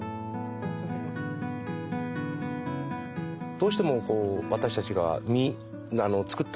どうしてもこう私たちが作ったものですね。